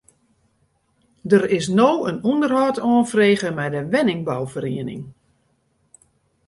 Der is no in ûnderhâld oanfrege mei de wenningbouferieniging.